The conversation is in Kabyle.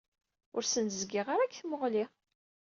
Ur sen-d-zgiɣ ara deg tmuɣli.